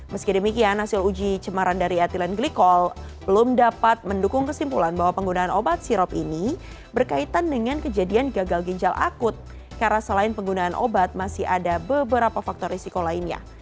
meski demikian hasil uji cemaran dari ethylene glycol belum dapat mendukung kesimpulan bahwa penggunaan obat sirop ini berkaitan dengan kejadian gagal ginjal akut karena selain penggunaan obat masih ada beberapa faktor risiko lainnya